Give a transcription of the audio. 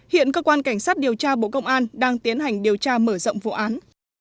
hiện cơ quan cảnh sát điều tra bộ công an đang tiến hành điều tra mở rộng vụ án